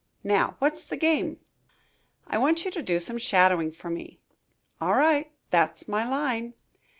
Now, what's the game?" "I want you to do some shadowing for me." "All right that's my line."